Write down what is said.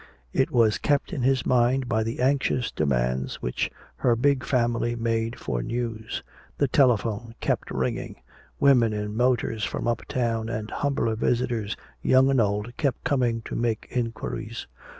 It was kept in his mind by the anxious demands which her big family made for news. The telephone kept ringing. Women in motors from uptown and humbler visitors young and old kept coming to make inquiries.